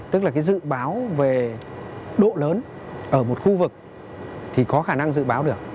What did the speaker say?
tức là cái dự báo về độ lớn ở một khu vực thì có khả năng dự báo được